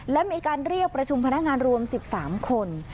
และมีการเรียกประชุมพนักงานรวม๑๓คน